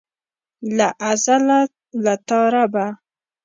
له ازله له تا ربه.